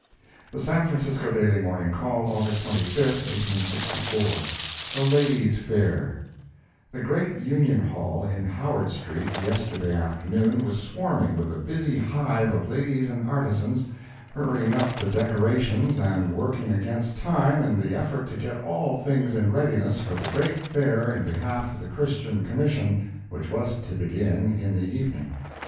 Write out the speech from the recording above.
The San Francisco Daily Morning Call, August 25, 1864 THE LADIES' FAIR The great Union Hall, in Howard street, yesterday afternoon, was swarming with a busy hive of ladies and artisans, hurrying up the decorations and working against time in the effort to get all things in readiness for the great Fair in behalf of the Christian Commission, which was to begin in the evening.